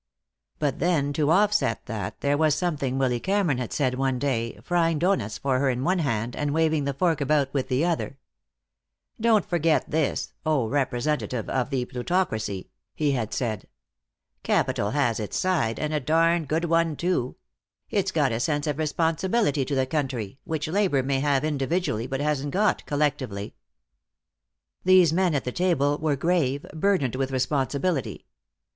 But then to offset that there was something Willy Cameron had said one day, frying doughnuts for her with one hand, and waving the fork about with the other. "Don't forget this, oh representative of the plutocracy," he had said. "Capital has its side, and a darned good one, too. It's got a sense of responsibility to the country, which labor may have individually but hasn't got collectively." These men at the table were grave, burdened with responsibility.